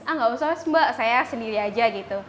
ah gak usah mas mbak saya sendiri aja gitu